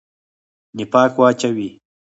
نفاق واچوي.